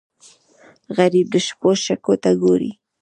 غریب د شپو شګو ته ګوري